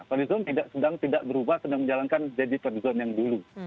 fadly lizon sedang tidak berubah sedang menjalankan jadi fadly lizon yang dulu